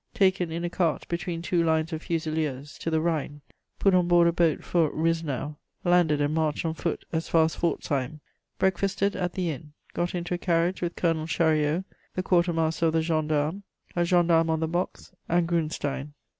Taken in a cart, between two lines of fusiliers, to the Rhine. Put on board a boat for Rhisnau. Landed and marched on foot as far as Pfortsheim. Breakfasted at the inn. Got into a carriage with Colonel Chariot, the quarter master of the gendarmes, a gendarme on the box and Grunstein.